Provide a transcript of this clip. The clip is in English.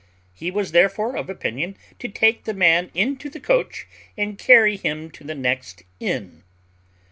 He was therefore of opinion to take the man into the coach, and carry him to the next inn."